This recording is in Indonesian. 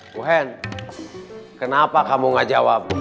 wohen kenapa kamu enggak jawab